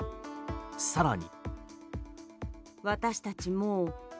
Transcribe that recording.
更に。